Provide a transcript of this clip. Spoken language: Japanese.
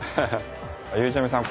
ゆうちゃみさん